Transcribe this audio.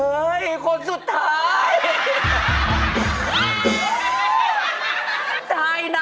เป็นเรื่องราวของแม่นาคกับพี่ม่าครับ